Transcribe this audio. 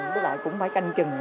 với lại cũng phải canh chừng